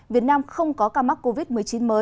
việt nam không có ca mắc covid một mươi chín mới